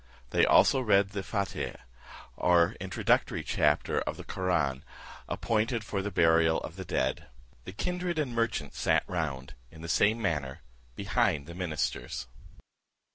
They also read the Fateah, or introductory chapter of the Koraun, appointed for the burial of the dead. The kindred and merchants sat round, in the same manner, behind the ministers.